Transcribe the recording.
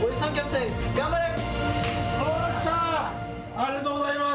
ありがとうございます。